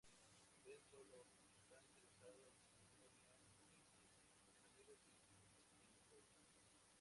Ben sólo está interesado en su novia Mindy, sus amigos y sus videojuegos.